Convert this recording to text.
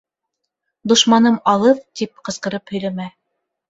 Дошманым алыҫ тип ҡысҡырып һөйләмә: